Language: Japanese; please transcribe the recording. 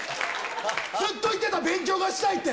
ずっと言ってた、勉強がしたいって。